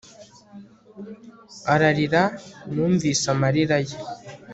Ararira Numvise amarira ye